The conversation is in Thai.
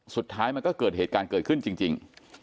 สุดท้ายมันก็เกิดเหตุการณ์เกิดขึ้นจริง